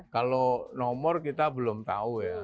kalau nomor kita belum tahu ya